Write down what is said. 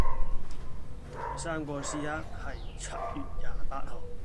第三個時刻係七月廿八號